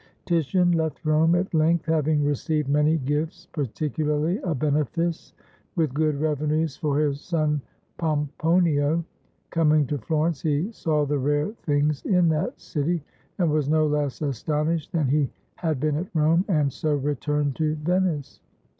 Titian left Rome at length, having received many gifts, particularly a benefice with good revenues for his son Pomponio. Coming to Florence, he saw the rare things in that city, and was no less astonished than he had been at Rome, and so returned to Venice.